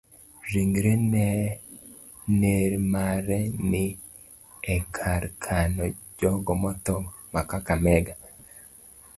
Ringre ner mare ni e kar kano jogo motho ma kakamega.